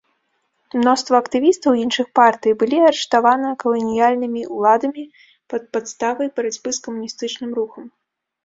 Мноства актывістаў іншых партый былі арыштавана каланіяльнымі ўладамі пад падставай барацьбы з камуністычным рухам.